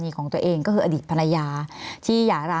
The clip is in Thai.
มีความรู้สึกว่ามีความรู้สึกว่า